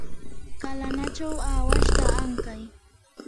kanalachaw awashta ankay.